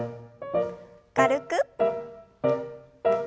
軽く。